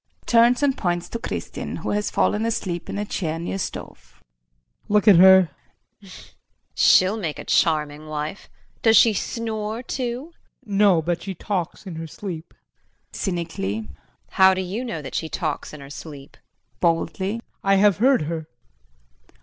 [Turns and points to Kristin, who has fallen asleep in a chair near stove]. Look at her. JULIE. She'll make a charming wife! Does she snore too? JEAN. No, but she talks in her sleep. JULIE [Cynically]. How do you know that she talks in her sleep? JEAN [Boldly]. I have heard her.